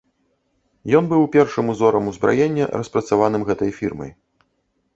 Ён быў першым узорам узбраення, распрацаваным гэтай фірмай.